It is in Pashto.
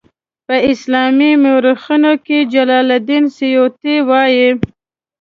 په اسلامي مورخینو کې جلال الدین سیوطي وایي.